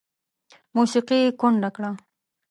موسیقي یې کونډه کړه